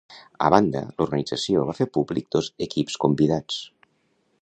A banda, l'organització va fer públic dos equips convidats.